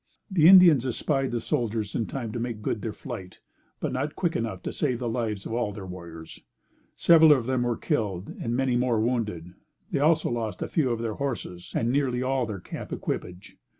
The Indians espied the soldiers in time to make good their flight, but not quick enough to save the lives of all their warriors. Several of them were killed and many more were wounded. They also lost a few of their horses, and nearly all their camp equipage.